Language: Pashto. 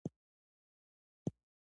موږ له نورو سره خبرې کوو.